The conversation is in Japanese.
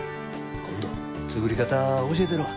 今度作り方教えたるわ。